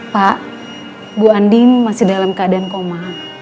pak bu andin masih dalam keadaan koma